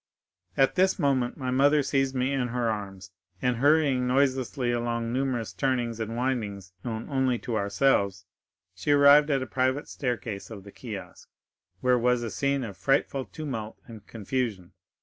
At this moment my mother seized me in her arms, and hurrying noiselessly along numerous turnings and windings known only to ourselves, she arrived at a private staircase of the kiosk, where was a scene of frightful tumult and confusion.